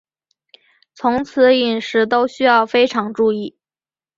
从此饮食都需要非常注意